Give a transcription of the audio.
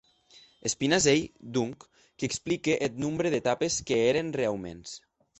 Espinàs ei, donc, qui explique eth nombre d'etapes que heren reauments.